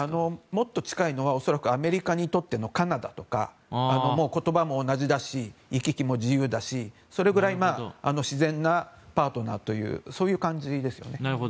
もっと近いのは恐らくアメリカにとってのカナダとか言葉も同じだし行き来も自由だしそれぐらい自然なパートナーというそういう感じですね。